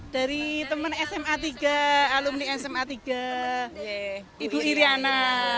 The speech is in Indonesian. dari teman sma tiga alumni sma tiga ibu iryana